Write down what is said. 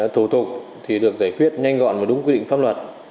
thủ tục được giải quyết nhanh gọn và đúng quy định pháp luật